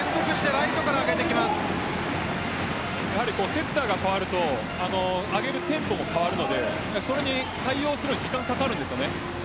セッターが代わると上げるテンポも変わるのでそれに対応するのに時間がかかります。